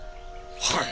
はい！